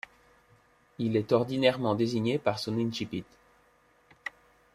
Il est ordinairement désigné par son incipit.